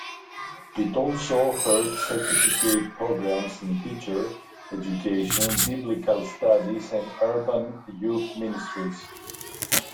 It also offered certificate programs in teacher education, biblical studies and urban youth ministries.